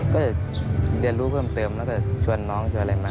ก็เรียนรู้เพิ่มเติมแล้วก็ชวนน้องชวนอะไรมา